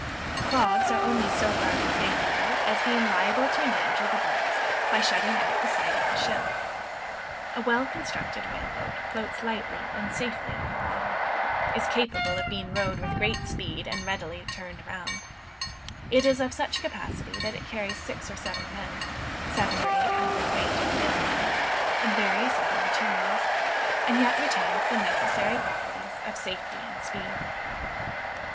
Fogs are only so far unfavorable as being liable to endanger the boats by shutting out the sight of the ship. A well constructed whale boat floats lightly and safely on the water, is capable of being rowed with great speed, and readily turned round, it is of such capacity that it carries six or seven men, seven or eight hundred weight of whale lines, and various other materials, and yet retains the necessary properties of safety and speed.